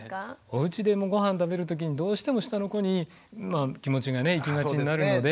おうちでもごはん食べる時にどうしても下の子に気持ちがいきがちになるので。